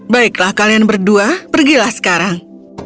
baiklah kalian berdua pergilah sekarang